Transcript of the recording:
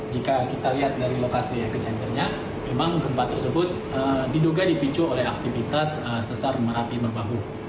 jika kita lihat dari lokasi epicenternya memang gempa tersebut diduga dipicu oleh aktivitas sesar merapi merbau